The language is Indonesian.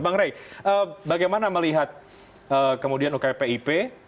bang rey bagaimana melihat kemudian ukpip